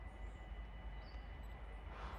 Juega como defensor central y lateral derecho.